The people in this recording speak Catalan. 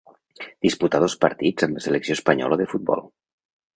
Disputà dos partits amb la selecció espanyola de futbol.